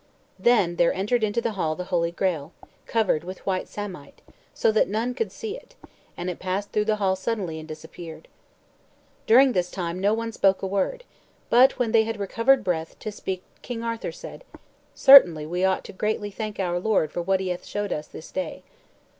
Then there entered into the hall the Holy Graal, covered with white samite, so that none could see it, and it passed through the hall suddenly, and disappeared. During this time no one spoke a word, but when they had recovered breath to speak King Arthur said, "Certainly we ought greatly to thank the Lord for what he hath showed us this day."